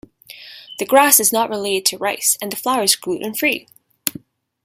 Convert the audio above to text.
The grass is not related to rice, and the flour is gluten-free.